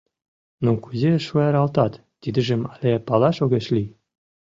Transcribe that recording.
Но кузе шуаралтат, тидыжым але палаш огеш лий.